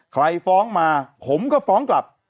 ฟ้องมาผมก็ฟ้องกลับ